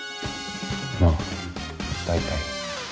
まあ大体。